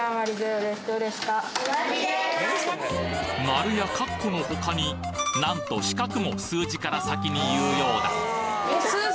マルやカッコの他になんとシカクも数字から先に言うようだ